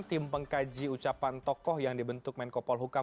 tim pengkaji ucapan tokoh yang dibentuk menkopol hukum